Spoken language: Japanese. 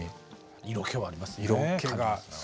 色気はありますよね。